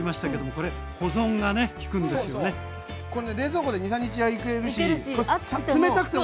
これね冷蔵庫で２３日はいけるし冷たくても。